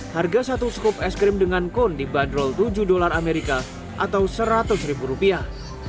harga satu skup es krim dengan kon dibanderol tujuh dolar amerika atau seratus ribu rupiah